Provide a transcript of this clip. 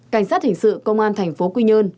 cảnh sát hình sự công an thành phố quy nhơn